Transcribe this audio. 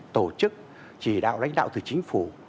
tổ chức chỉ đạo lãnh đạo từ chính phủ